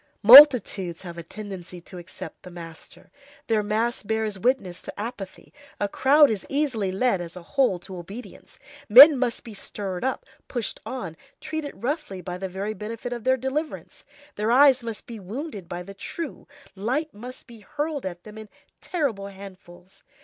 Multitudes have a tendency to accept the master. Their mass bears witness to apathy. A crowd is easily led as a whole to obedience. Men must be stirred up, pushed on, treated roughly by the very benefit of their deliverance, their eyes must be wounded by the true, light must be hurled at them in terrible handfuls.